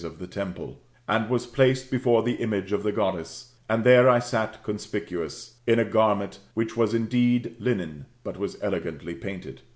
of the temple], and was placed before the image of the Gpddess, and there I sat conspicuous, in a garment which was indeed linen, but was elegantly painted.